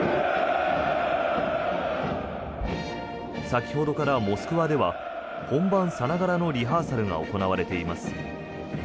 先ほどからモスクワでは本番さながらのリハーサルが行われています。